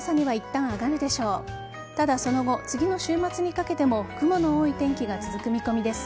ただ、その後次の週末にかけても雲の多い天気が続く見込みです。